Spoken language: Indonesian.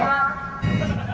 gak ada lagi